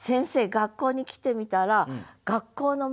学校に来てみたら学校の周り